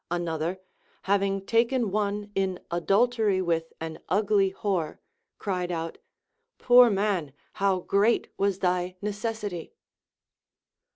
Another, having taken one in adultery with an ugly whore, cried out. Poor man. how great was thy necessity